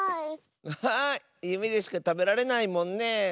アハーゆめでしかたべられないもんね。